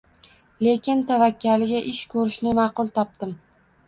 Lekin tavakkaliga ish ko`rishni ma`qul topdim